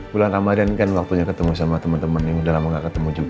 bulan ramadan kan waktunya ketemu sama temen temen yang udah lama gak ketemu juga